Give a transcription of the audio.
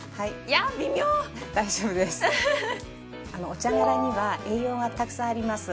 お茶殻には栄養がたくさんあります。